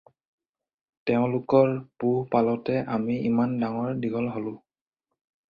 তেওঁবিলাকৰ পোহ-পালতে আমি ইমান ডাঙৰ দীঘল হলোঁ।